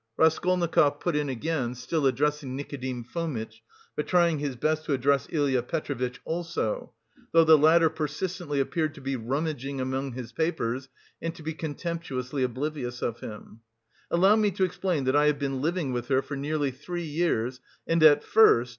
Raskolnikov put in again, still addressing Nikodim Fomitch, but trying his best to address Ilya Petrovitch also, though the latter persistently appeared to be rummaging among his papers and to be contemptuously oblivious of him. "Allow me to explain that I have been living with her for nearly three years and at first...